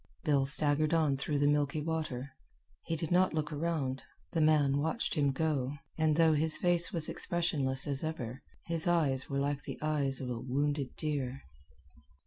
Bill staggered on through the milky water. He did not look around. The man watched him go, and though his face was expressionless as ever, his eyes were like the eyes of a wounded deer.